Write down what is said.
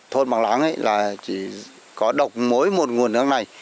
thôn bằng lãng chỉ có độc mối một nguồn nước này